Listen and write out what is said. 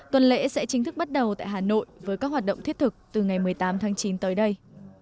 tuần lễ sẽ chính thức bắt đầu tại hà nội với các hoạt động thiết thực từ ngày một mươi tám tháng chín tới đây